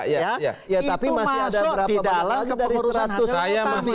itu masuk di dalam ke pengurusan yang utama